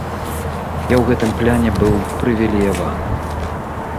Я ў гэтым плане быў прывілеяваным.